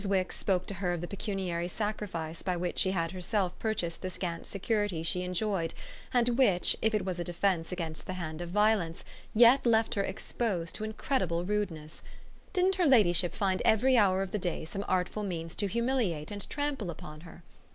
Wix spoke to her of the pecuniary sacrifice by which she herself purchased the scant security she enjoyed and which, if it was a defence against the hand of violence, yet left her exposed to incredible rudeness. Didn't her ladyship find every hour of the day some artful means to humiliate and trample upon her?